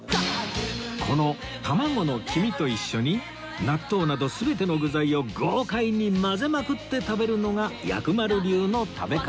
この卵の黄身と一緒に納豆など全ての具材を豪快に混ぜまくって食べるのが薬丸流の食べ方